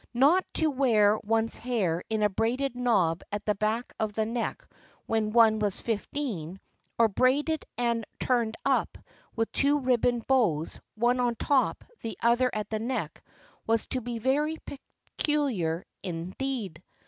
Not to wear one's hair in a braided knob at the back of the neck when one was fifteen, or braided and turned up with two ribbon bows, one on top, the other at the neck, was to be very peculiar in deed.